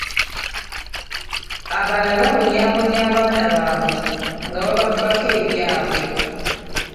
Abalala babonyaabonya bannaabwe nga bababbako ebyabwe.